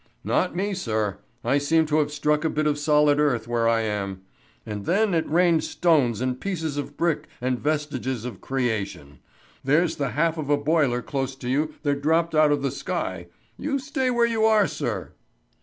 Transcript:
"Not me, sir. I seem to have struck a bit of solid earth where I am. And then it rained stones and pieces of brick and vestiges of creation. There's the half of a boiler close to you that dropped out of the sky. You stay where you are, sir."